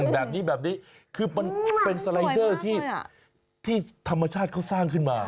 แบบนี้แบบนี้คือมันเป็นสไลเดอร์ที่ธรรมชาติเขาสร้างขึ้นมา